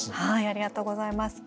ありがとうございます。